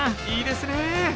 いいですね。